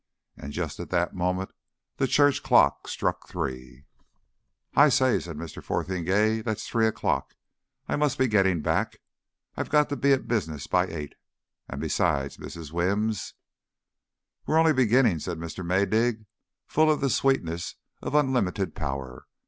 And just at that moment the church clock struck three. "I say," said Mr. Fotheringay, "that's three o'clock! I must be getting back. I've got to be at business by eight. And besides, Mrs. Wimms " "We're only beginning," said Mr. Maydig, full of the sweetness of unlimited power.